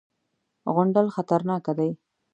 _غونډل خطرناکه دی.